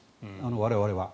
我々は。